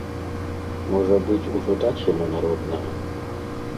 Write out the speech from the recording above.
Можа быць, ужо даць яму народнага?